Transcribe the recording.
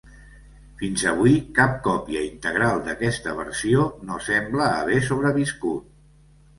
Fins avui, cap còpia integral d'aquesta versió no sembla haver sobreviscut.